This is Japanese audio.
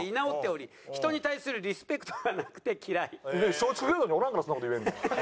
松竹芸能におらんからそんな事言えんねん。